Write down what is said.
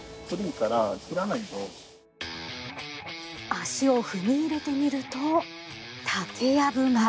足を踏み入れてみると竹やぶが。